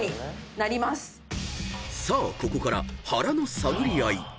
［さあここから腹の探り合い］